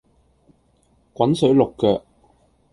滾水淥腳